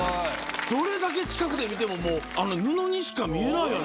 どれだけ近くで見ても布にしか見えないよね。